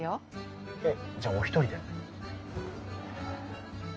えっじゃあお一人で？